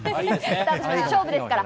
勝負ですから。